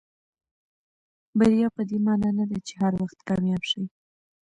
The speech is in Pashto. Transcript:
بریا پدې معنا نه ده چې هر وخت کامیاب شئ.